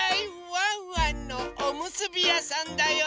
ワンワンのおむすびやさんだよ！